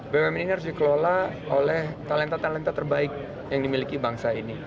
bumn ini harus dikelola oleh talenta talenta terbaik yang dimiliki bangsa ini